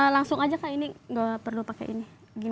langsung aja kak ini nggak perlu pakai ini